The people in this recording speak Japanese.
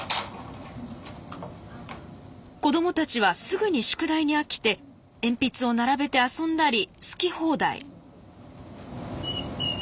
子どもたちはすぐに宿題に飽きて鉛筆を並べて遊んだり好き放題。